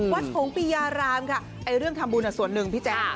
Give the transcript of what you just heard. วัดของปริยารามค่ะเรื่องทำบูรณ์ส่วนหนึ่งพี่แจ๊